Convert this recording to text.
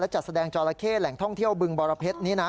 จัดแสดงจอราเข้แหล่งท่องเที่ยวบึงบรเพชรนี่นะ